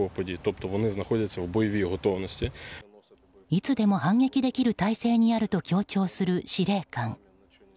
いつでも反撃できる態勢にあると強調する司令官。